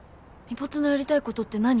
ぽつのやりたいことって何？